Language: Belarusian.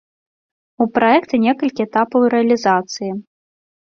У праекта некалькі этапаў рэалізацыі.